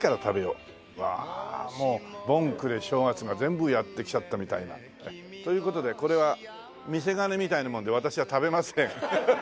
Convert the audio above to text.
うわもう盆暮れ正月が全部やって来ちゃったみたいな。という事でこれは見せ金みたいなもので私は食べません。